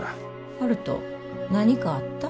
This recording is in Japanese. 悠人何かあった？